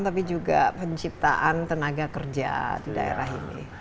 tapi juga penciptaan tenaga kerja di daerah ini